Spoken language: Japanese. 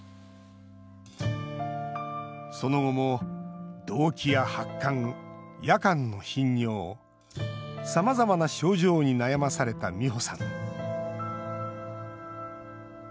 その後も、動悸や発汗夜間の頻尿さまざまな症状に悩まされたミホさん。